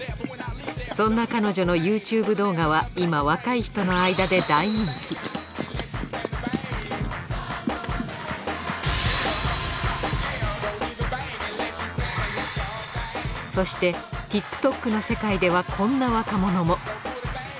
そんな彼女のＹｏｕＴｕｂｅ動画は今若い人の間で大人気そしてＴｉｋＴｏｋの世界ではこんな若者も。